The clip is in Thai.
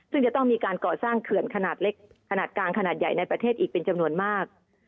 ซึ่งจะต้องมีการก่อสร้างเขื่อนขนาดเล็กขนาดกลางขนาดใหญ่ในประเทศอีกเป็นจำนวนมาก